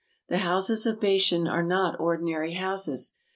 The houses of Bashan are not ordinary houses.